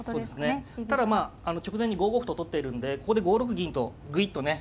ただ直前に５五歩と取ってるんでここで５六銀とグイッとね